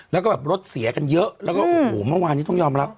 แล้วก็แบบรถเสียกันเยอะแล้วก็โอ้โหเมื่อวานนี้ต้องยอมรับ